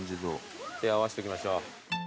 手合わしときましょう。